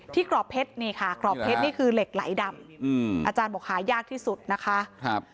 กรอบเพชรนี่ค่ะกรอบเพชรนี่คือเหล็กไหลดำอาจารย์บอกหายากที่สุดนะคะ